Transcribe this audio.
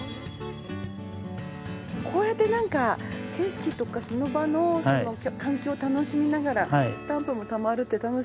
こうやってなんか景色とかその場の環境を楽しみながらスタンプもたまるって楽しいですね。